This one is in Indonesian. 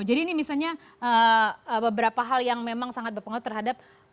jadi ini misalnya beberapa hal yang memang sangat berpengaruh terhadap ekonomi indonesia